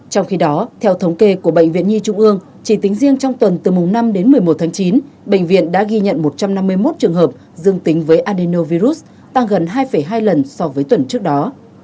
trong khi đó theo thống kê của bệnh viện nhi trung ương chỉ tính riêng trong tuần từ mùng năm đến một mươi một tháng chín bệnh viện đã ghi nhận một trăm năm mươi một trường hợp dương tính với anneno virus tăng gần hai hai lần so với tuần trước đó